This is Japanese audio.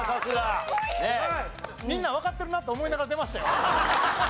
みんなわかってるなと思いながら出ましたよ。